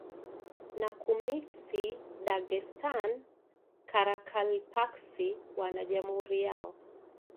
na Kumyks Dagestan Karakalpaks wana jamhuri yao